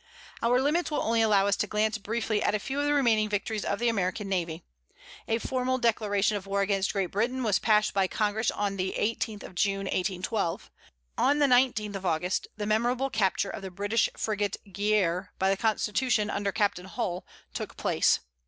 Our limits will only allow us to glance briefly at a few of the remaining victories of the American navy. A formal declaration of war against Great Britain was passed by Congress on the 18th of June, 1812. On the 19th of August, the memorable capture of the British frigate Guerriere by the Constitution under Captain Hull, took place.